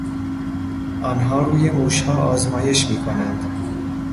آنها روی موشها آزمایش می کنند.